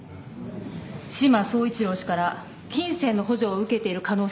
志摩総一郎氏から金銭の補助を受けている可能性が。